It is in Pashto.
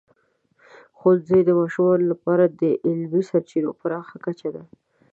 ښوونځی د ماشومانو لپاره د علمي سرچینو پراخه کچه ده.